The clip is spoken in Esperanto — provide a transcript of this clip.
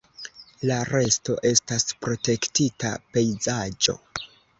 La resto estas protektita pejzaĝo.